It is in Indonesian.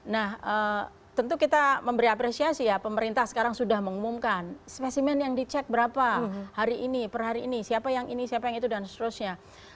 nah tentu kita memberi apresiasi ya pemerintah sekarang sudah mengumumkan spesimen yang dicek berapa hari ini per hari ini siapa yang ini siapa yang itu dan seterusnya